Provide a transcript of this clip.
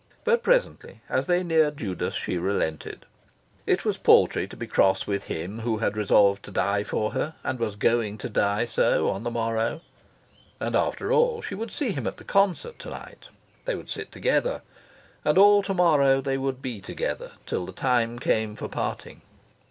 But presently, as they neared Judas, she relented. It was paltry to be cross with him who had resolved to die for her and was going to die so on the morrow. And after all, she would see him at the concert to night. They would sit together. And all to morrow they would be together, till the time came for parting.